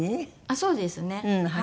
そうですねはい。